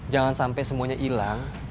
jangan sampai semuanya hilang